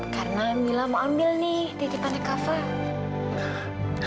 karena mila mau ambil nih titipannya kak fah